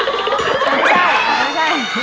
ไม่ใช่